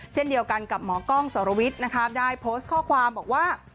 เช่นเดียวกันกับหมอกล้องสรวิทย์นะคะได้โพสต์ข้อความบอกว่า